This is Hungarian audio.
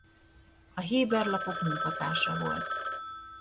A héber lapok munkatársa volt.